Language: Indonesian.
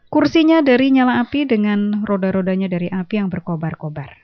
kursinya dari nyala api dengan roda rodanya dari api yang berkobar kobar